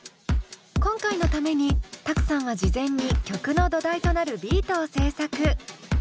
今回のためにＴＡＫＵさんは事前に曲の土台となるビートを制作。